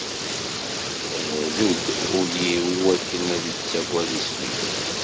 Hdu-d ul-iw iwakken ad ittaggad isem-ik!